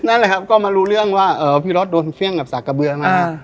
นั่นแหละครับก็มารู้เรื่องว่าพี่รถโดนเฟี่ยงกับสากกระเบือนมา